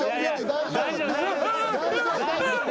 大丈夫？